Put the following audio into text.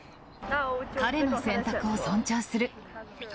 彼の選択を尊重する。